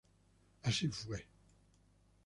Así fue.